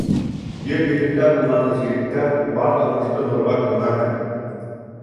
Ер йөҙөндә булған изгелектәр Бар тормошто нурға күмәһең.